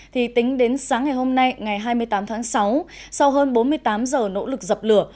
thì tính đến sáng ngày hôm nay ngày hai mươi tám tháng sáu sau hơn bốn mươi tám giờ nỗ lực dập lửa